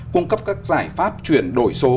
cung cấp các giải pháp chuyển đổi số